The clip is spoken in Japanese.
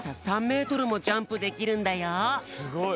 ３メートルもジャンプできるんだよ。